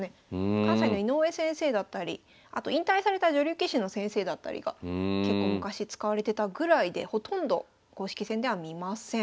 関西の井上先生だったりあと引退された女流棋士の先生だったりが結構昔使われてたぐらいでほとんど公式戦では見ません。